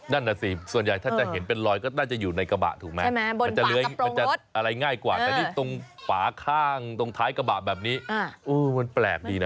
นั่นน่ะสิส่วนใหญ่ถ้าจะเห็นเป็นรอยก็น่าจะอยู่ในกระบะถูกไหมมันจะเลื้อยมันจะอะไรง่ายกว่าแต่นี่ตรงฝาข้างตรงท้ายกระบะแบบนี้มันแปลกดีนะ